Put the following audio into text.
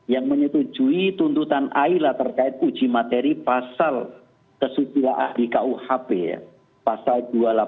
yang menyetujui tuntutan aila terkait uji materi pasal kesuciwaah di kuhp pasal dua ratus delapan puluh empat dua ratus delapan puluh lima dua ratus sembilan puluh dua